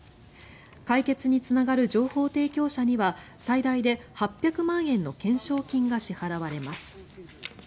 解決につながる情報提供者には最大で８００万円の懸賞金が支払われます。